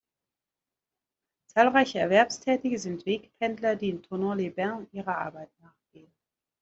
Zahlreiche Erwerbstätige sind Wegpendler, die in Thonon-les-Bains ihrer Arbeit nachgehen.